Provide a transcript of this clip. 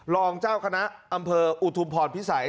รองเจ้าคณะอำเภออุทุมพรพิสัย